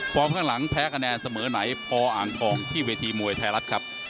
ข้างหลังแพ้คะแนนเสมอไหนพออ่างทองที่เวทีมวยไทยรัฐครับ